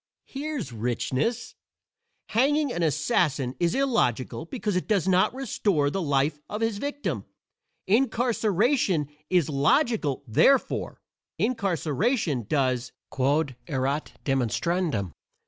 Here's richness! Hanging an assassin is illogical because it does not restore the life of his victim; incarceration is logical; therefore, incarceration does _quod, erat demonstrandum.